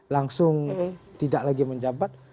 langsung tidak lagi menjabat